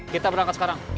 kita berangkat sekarang